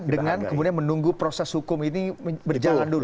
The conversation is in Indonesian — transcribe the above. dengan kemudian menunggu proses hukum ini berjalan dulu